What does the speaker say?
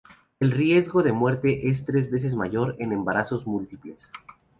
El riesgo de muerte es tres veces mayor en embarazos múltiples.